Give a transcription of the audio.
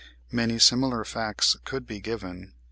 Many similar facts could be given.